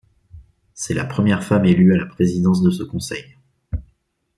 C'est la première femme élue à la présidence de ce conseil.